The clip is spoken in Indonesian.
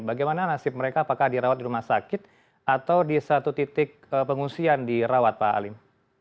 bagaimana nasib mereka apakah dirawat di rumah sakit atau di satu titik pengungsian dirawat pak alim